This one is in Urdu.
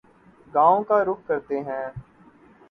گاوں کا رخ کرتے ہیں